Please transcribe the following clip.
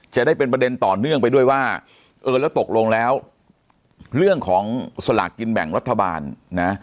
จะได้เป็นประเด็นต่อเนื่องไปด้วยว่าเออแล้วตกลงแล้วเรื่องของสลากกินแบ่งรัฐบาลนะ